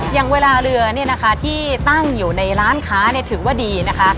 อย่างเวลาเรือเนี่ยนะคะที่ตั้งอยู่ในร้านค้าถือว่าดีนะคะ